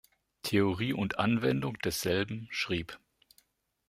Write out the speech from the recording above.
Theorie und Anwendung desselben" schrieb.